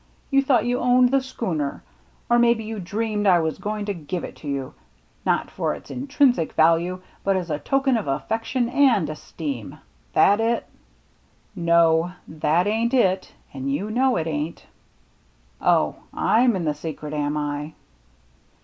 You thought you owned the schooner. Or maybe you dreamed I was going to give it to you — not for its intrinsic value, but as a token of affection and esteem. That it ?"" No, that ain't it, an' you know it ain't." " Oh, I'm in the secret, am I